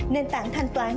nền tảng thanh toán